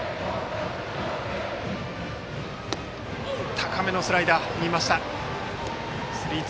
高めのスライダー見ました。